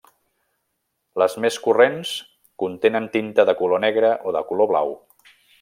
Les més corrents contenen tinta de color negre o de color blau.